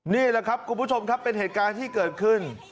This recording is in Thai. นี่แหละครับคุณผู้ชมครับเป็นเหตุการณ์ที่เกิดขึ้น